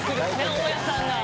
大家さんが。